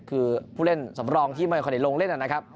คือผู้เล่นสำรองที่ไม่ค่อยได้ลงเล่นนะครับ